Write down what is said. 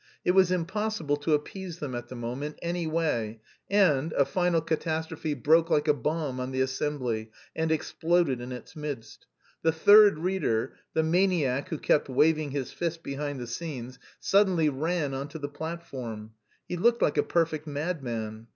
It was impossible to appease them, at the moment, any way, and a final catastrophe broke like a bomb on the assembly and exploded in its midst: the third reader, the maniac who kept waving his fist behind the scenes, suddenly ran on to the platform. He looked like a perfect madman.